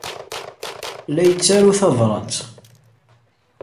La ittaru tabṛat.